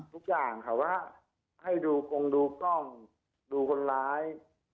ทุกอย่างค่ะว่าให้ดูกงดูกล้องดูคนร้าย